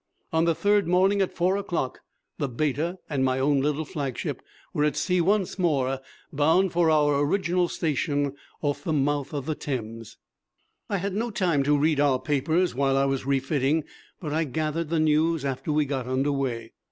On the third morning, at four o'clock, the Beta and my own little flagship were at sea once more, bound for our original station off the mouth of the Thames. I had no time to read our papers whilst I was refitting, but I gathered the news after we got under way.